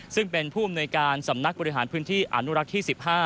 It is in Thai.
ซึ่งเป็นผู้อำนวยการสำนักบริหารพื้นที่อนุรักษ์ที่๑๕